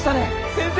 先生。